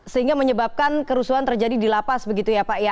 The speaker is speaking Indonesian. sehingga menyebabkan kerusuhan terjadi di lapas begitu ya pak ya